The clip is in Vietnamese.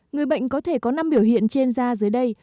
người bệnh có thể có năm biểu hiện trên da dưới đây